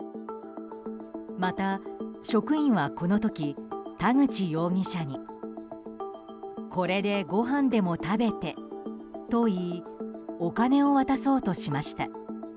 また、職員はこの時田口容疑者にこれでごはんでも食べてと言いお金を渡そうとしました。